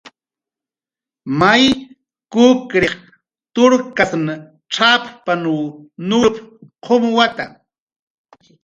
"May kukriq turkasn cx""ap""panw nurup"" qumwata."